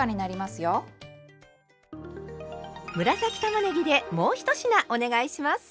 紫たまねぎでもう１品お願いします！